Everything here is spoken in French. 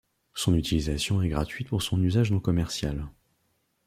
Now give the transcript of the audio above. Son utilisation est gratuite pour son usage non commercial.